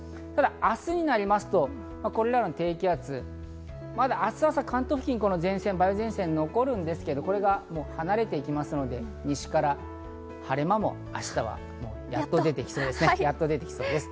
明日になりますと、これらの低気圧、また明日朝、関東付近、梅雨前線が残るんですけれども、これが離れていきますので、西から晴れ間も明日はやっと出てきそうです。